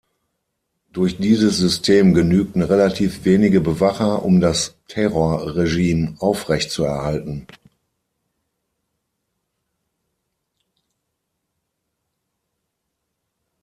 Durch dieses System genügten relativ wenige Bewacher, um das Terrorregime aufrechtzuerhalten.